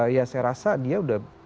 ya saya rasa dia udah